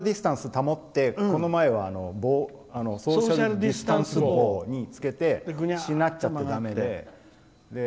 いろいろソーシャルディスタンス保ってこの前はソーシャルディスタンス棒につけてしなっちゃって、だめで。